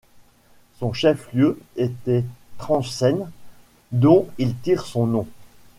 Son chef-lieu était Trencsén dont il tire son nom.